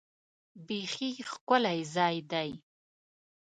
بیخي ښکلی ځای دی .